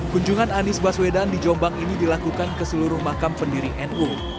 kunjungan anies baswedan di jombang ini dilakukan ke seluruh makam pendiri nu